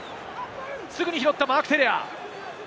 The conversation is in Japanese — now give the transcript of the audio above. すぐに拾った、マーク・テレア。